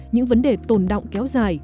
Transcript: những vấn đề tồn đọng kéo dài